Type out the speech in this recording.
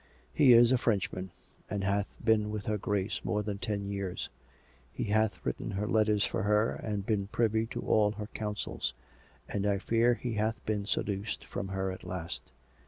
" He is a Frenchman, and hath been with her Grace more than ten years. He hath written her letters for her, and been privy to all her counsels. And I fear he hath been seduced from her at last.